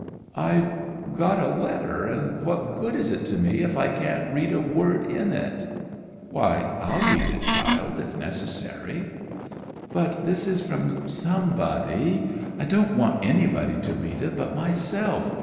'I've got a letter—and what good is it to me, if I can't read a word in it!' 'Why, I'll read it, child, if necessary.' 'But this is from somebody—I don't want anybody to read it but myself!